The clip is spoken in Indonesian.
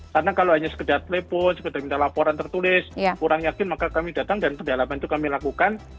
karena kalau hanya sekedar telepon sekedar minta laporan tertulis kurang yakin maka kami datang dan pendahuluan itu kami lakukan